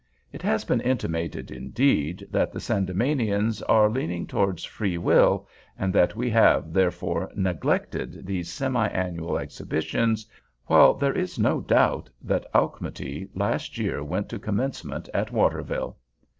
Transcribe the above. It has been intimated, indeed, that the Sandemanians are leaning towards Free Will, and that we have, therefore, neglected these semi annual exhibitions, while there is no doubt that Auchmuty last year went to Commencement at Waterville.